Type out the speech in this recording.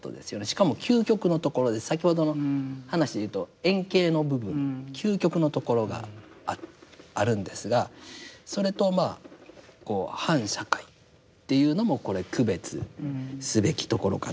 しかも究極のところで先ほどの話で言うと遠景の部分究極のところがあるんですがそれとまあこう反社会っていうのもこれ区別すべきところかなというふうに思います。